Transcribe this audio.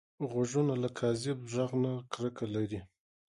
غوږونه له کاذب غږ نه کرکه لري